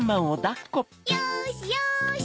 よしよし！